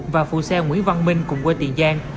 và phụ xe nguyễn văn minh cùng quê tiền giang